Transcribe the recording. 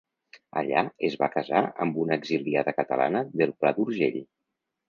Allà es va casar amb una exiliada catalana del Pla d'Urgell.